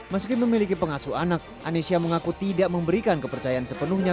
meski memiliki pengasuh anak anesya mengaku tidak memberikan kepercayaan sepenuhnya